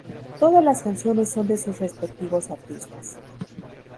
Todas las canciones son de sus respectivos artistas.